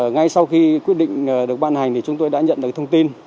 ngay sau khi quyết định được ban hành thì chúng tôi đã nhận được thông tin